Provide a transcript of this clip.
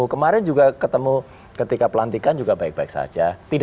kemarin juga ketemu ketika pelantikan juga baik baik saja